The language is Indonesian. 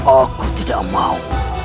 aku tidak mau